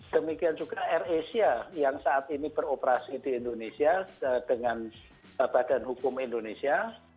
demikian juga air asia yang saat ini beroperasi di indonesia dengan badan hukum indonesia